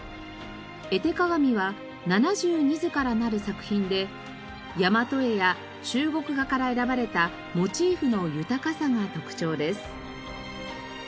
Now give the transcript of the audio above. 絵手鑑は７２図からなる作品でやまと絵や中国画から選ばれたモチーフの豊かさが特徴です。